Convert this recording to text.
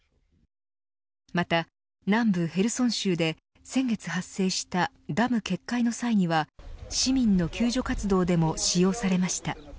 また、南部ヘルソン州で先月発生したダム決壊の際には市民の救助活動でも使用されました。